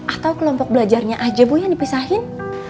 atau kelompok belajarnya aja bu yang dipisahin